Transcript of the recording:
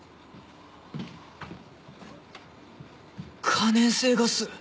可燃性ガス。